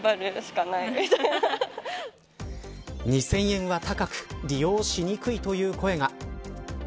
２０００円は高く利用しにくいという声が。